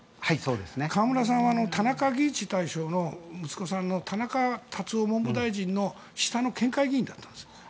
河村さんは田中義一大将の田中文部大臣の下の県会議員だったんです。